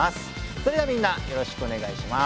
それではみんなよろしくおねがいします。